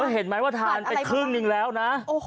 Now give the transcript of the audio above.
เห็นไหมว่าทานไปครึ่งหนึ่งแล้วนะ